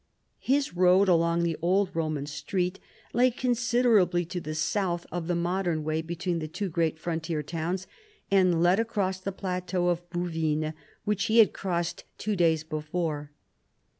His road along the old Eoman street lay considerably to the south of the modern way between the two great frontier towns, and led across the plateau of Bouvines which he had crossed two days before.